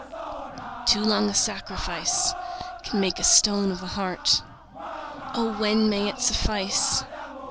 Too long a sacrifice Can make a stone of the heart. O when may it suffice?